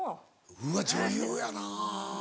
うわ女優やなぁ。